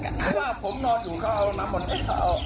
เพราะว่าผมนอนอยู่เขาเอาน้ำบ่นเอาเอาเอาเอา